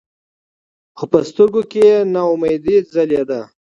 خو پۀ سترګو کښې ناامېدې ځلېده ـ